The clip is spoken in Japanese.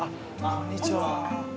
こんにちは。